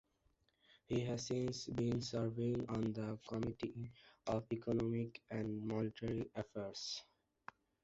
He has since been serving on the Committee on Economic and Monetary Affairs.